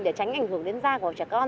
để tránh ảnh hưởng đến da của trẻ con